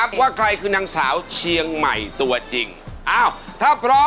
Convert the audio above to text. มีการเปลี่ยนใคร